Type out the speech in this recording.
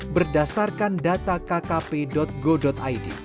berdasarkan data kkp go id